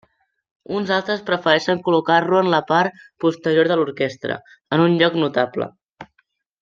Uns altres prefereixen col·locar-lo en la part posterior de l'orquestra, en un lloc notable.